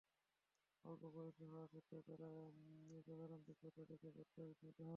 অল্প বয়স হওয়া সত্ত্বেও তাঁর এ অসাধারণ যোগ্যতা দেখে বাদশাহ বিস্মিত হন।